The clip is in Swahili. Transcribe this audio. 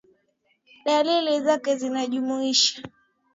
Dalili zake zinajumuisha